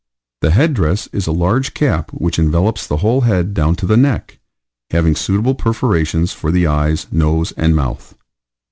The head dress is a large cap which envelops the whole head down to the neck, having suitable perforations for the eyes, nose, and mouth.